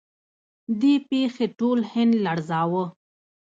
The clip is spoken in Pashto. دې پیښې ټول هند لړزاوه.